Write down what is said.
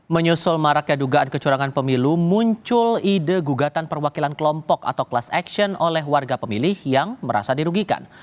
menyusul maraknya dugaan kecurangan pemilu muncul ide gugatan perwakilan kelompok atau class action oleh warga pemilih yang merasa dirugikan